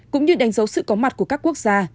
cũng như đánh dấu sự có mặt của các quốc gia